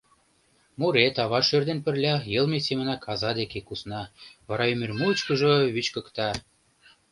Мурет ава шӧр дене пырля йылме семынак аза деке кусна, вара ӱмыр мучкыжо вӱчкыкта.